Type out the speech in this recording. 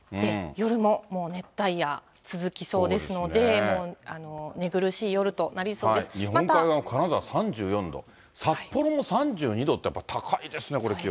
夜ももう熱帯夜続きそうですので、日本海側も金沢３４度、札幌も３２度ってやっぱ高いですね、気温。